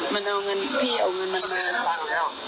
มันเอาเพียงพี่เอาเงินมามาก